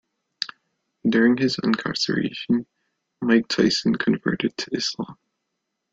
During his incarceration, Mike Tyson converted to Islam.